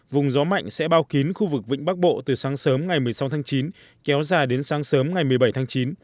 vùng gió mạnh sẽ bao kín khu vực vịnh bắc bộ từ sáng sớm ngày một mươi sáu tháng chín kéo dài đến sáng sớm ngày một mươi bảy tháng chín